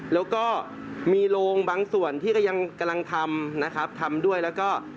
แล้วก็มีโรงบางส่วนที่ก็ยังกำลังทำนะครับทำด้วยแล้วก็